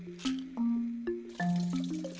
pembah atb tidak bermanfaat